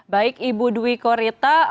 baik ibu dwi korita